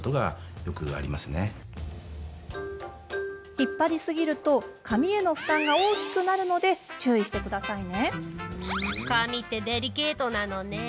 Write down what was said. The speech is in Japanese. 引っ張りすぎると髪への負担が大きくなるので髪ってデリケートなのね。